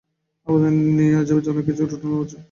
আমাদের নিয়ে আজেবাজে অনেক কিছুই রটানো হচ্ছে যার কোনো ভিত্তি নেই।